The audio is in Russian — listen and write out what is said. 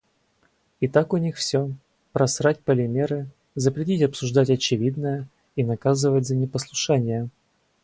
И так у них всё: просрать полимеры, запретить обсуждать очевидное и наказывать за непослушание.